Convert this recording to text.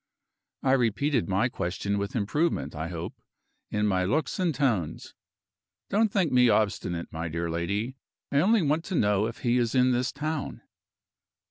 I repeated my question with improvement, I hope, in my looks and tones: "Don't think me obstinate, my dear lady. I only want to know if he is in this town."